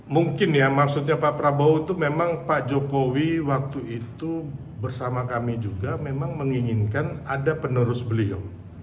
mungkin ya maksudnya pak prabowo itu memang pak jokowi waktu itu bersama kami juga memang menginginkan ada penerus beliau